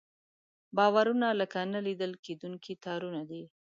باورونه لکه نه لیدل کېدونکي تارونه دي.